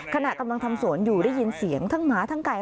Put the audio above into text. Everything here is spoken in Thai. ขณะกำลังทำสวนอยู่ได้ยินเสียงทั้งหมาทั้งไก่